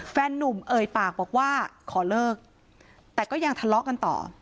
แฟนนุ่มเอ่ยปากบอกว่าขอเลิกแต่ก็ยังทะเลาะกันต่อ